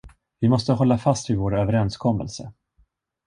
Vi måste hålla fast vid vår överenskommelse.